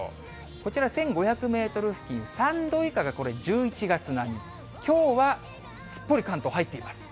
こちら、１５００メートル付近、３度以下がこれ、１１月並み、きょうはすっぽり関東、入っています。